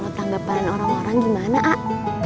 kalau tanggapan orang orang gimana ak